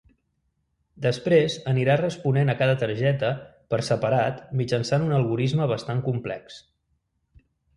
Després anirà responent a cada targeta per separat mitjançant un algorisme bastant complex.